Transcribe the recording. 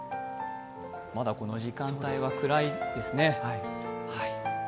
まだこの時間帯は暗いですね。